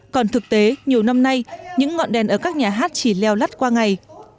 còn thực tế nhiều năm nay những ngọn đèn ở các nhà hát chỉ leo lắt qua ngày